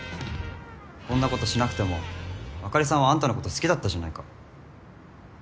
こんなことしなくてもあかりさんはあんたのこと好きだったじゃないか。